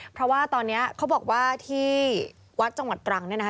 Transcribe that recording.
เพราะว่าตอนนี้เขาบอกว่าที่วัดจังหวัดตรังเนี่ยนะคะ